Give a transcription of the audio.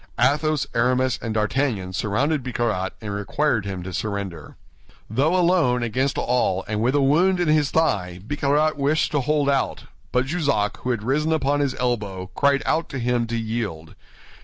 Athos, Aramis, and D'Artagnan surrounded Bicarat, and required him to surrender. Though alone against all and with a wound in his thigh, Bicarat wished to hold out; but Jussac, who had risen upon his elbow, cried out to him to yield.